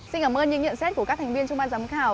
xin cảm ơn những nhận xét của các thành viên trong ban giám khảo